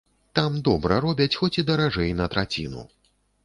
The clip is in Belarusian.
Там добра робяць, хоць і даражэй на траціну.